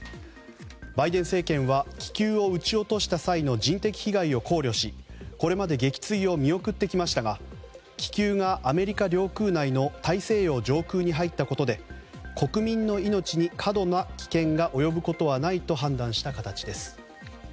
バイデン政権は気球を撃ち落とした際の人的被害を考慮し、これまで撃墜を見送ってきましたが気球がアメリカ領空内の大西洋上空に入ったことで国民の命に過度な危険が及ぶことはないと判断した形です。